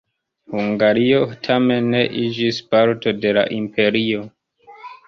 Hungario tamen ne iĝis parto de la imperio.